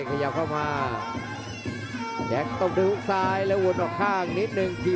ไม่แสดงว่าเป็นเด็กดื้อเลยครับไม่ยอมพี่